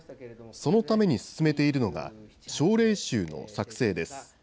そのために進めているのが、症例集の作成です。